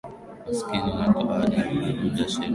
maskini na baada ya muda sheria mpya katika